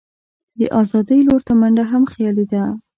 د آزادۍ لور ته منډه هم خیالي ده.